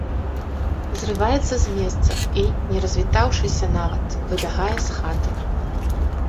Зрываецца з месца і, не развітаўшыся нават, выбягае з хаты.